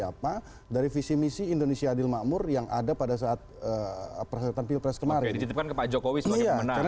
apa dari visi misi indonesia adil makmur yang ada pada saat persatuan pilpres kemarin